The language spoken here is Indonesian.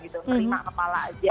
terima kepala saja